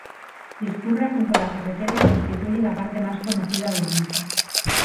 Discurre junto a la carretera y constituye la parte más conocida del mismo.